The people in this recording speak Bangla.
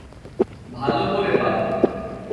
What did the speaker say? ভালো করে বাঁধো।